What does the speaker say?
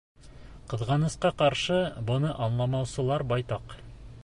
Ҡыҙғанысҡа ҡаршы, быны аңламаусылар байтаҡ.